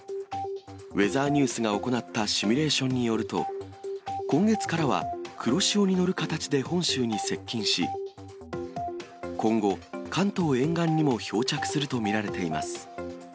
ウェザーニュースが行ったシミュレーションによると、今月からは黒潮に乗る形で本州に接近し、今後、関東沿岸にも漂着すると見られています。